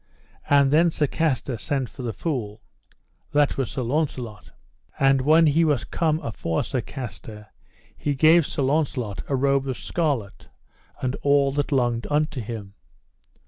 And then Sir Castor sent for the fool—that was Sir Launcelot. And when he was come afore Sir Castor, he gave Sir Launcelot a robe of scarlet and all that longed unto him.